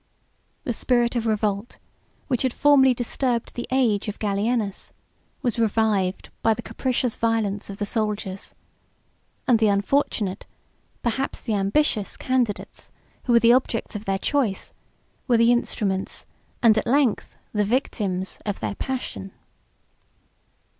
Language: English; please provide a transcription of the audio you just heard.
The spirit of revolt, which had formerly disturbed the age of Gallienus, was revived by the capricious violence of the soldiers; and the unfortunate, perhaps the ambitious, candidates, who were the objects of their choice, were the instruments, and at length the victims, of their passion.